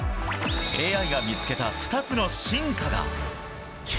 ＡＩが見つけた２つの進化が！